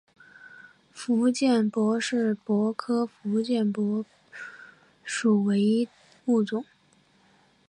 福建柏是柏科福建柏属唯一物种。